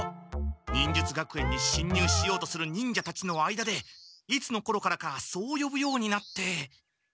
忍術学園にしんにゅうしようとする忍者たちの間でいつのころからかそうよぶようになって。